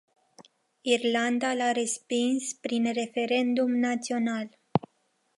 Irlanda l-a respins prin referendum național.